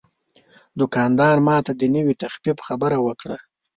دوکاندار ماته د نوې تخفیف خبره وکړه.